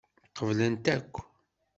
Qeblent akk.